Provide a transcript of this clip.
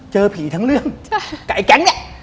เจอผีทั้งเรื่องกับไอ้แก๊งเนี่ย